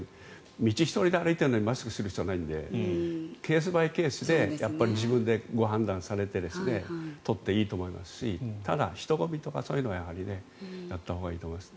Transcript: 道を１人で歩いていてマスクする必要はないのでケース・バイ・ケースでやっぱり自分でご判断されて取っていいと思いますしただ、人混みとかそういうのはやはりやったほうがいいと思います。